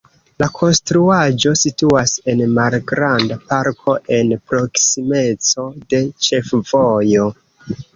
La konstruaĵo situas en malgranda parko en proksimeco de ĉefvojo.